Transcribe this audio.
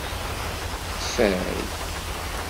Ffay.